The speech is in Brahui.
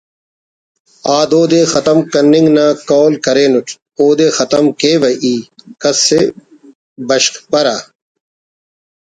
آ دود ءِ ختم کننگ نا قول کرینٹ اودے ختم کیوہ ای کس ءِ بشخپرہ